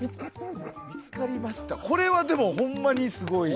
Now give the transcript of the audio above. これはでも、本当にすごい。